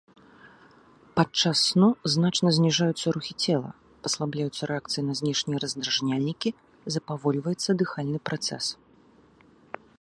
Падчас сну значна зніжаюцца рухі цела, паслабляюцца рэакцыі на знешнія раздражняльнікі, запавольваецца дыхальны працэс.